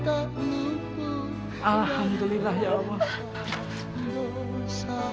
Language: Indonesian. alhamdulillah ya allah